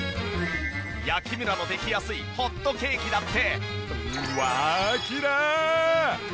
焼きムラのできやすいホットケーキだってうわきれい！